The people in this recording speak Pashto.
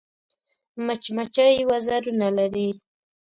مچمچۍ وزرونه لري